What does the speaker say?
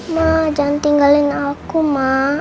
ma jangan tinggalin aku ma